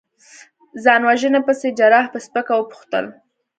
ځان وژنې پسې؟ جراح په سپکه وپوښتل.